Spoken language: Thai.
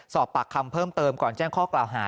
สอบปากคำเพิ่มเติมก่อนแจ้งข้อกล่าวหา